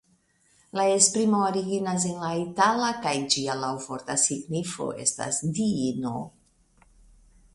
La esprimo originas en la itala kaj ĝia laŭvorta signifo estas "diino".